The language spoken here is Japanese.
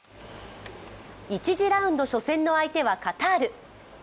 １次ラウンド初戦の相手はカタール。